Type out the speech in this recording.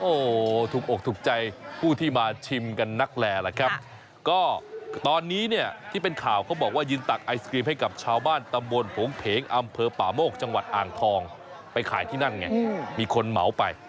โอ้โหถูกอกถูกใจผู้ที่มาชิมกันนักแลล่ะครับก็ตอนนี้เนี่ยที่เป็นข่าวเขาบอกว่ายืนตักไอศกรีมให้กับชาวบ้านตำบลโผงเพงอำเภอป่าโมกจังหวัดอ่างทองไปขายที่นั่นไงมีคนเหมาไป